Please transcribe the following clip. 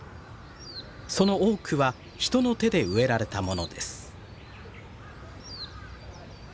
その多くは人の手で植えられたものです。